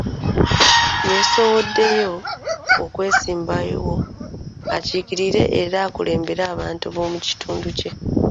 Yeesowoddeyo okwesimbawo akiikirire era akulembere abantu b'omukitundu kye.